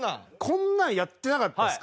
こんなんやってなかったですか？